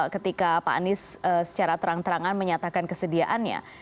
ketika pak anies secara terang terangan menyatakan kesediaannya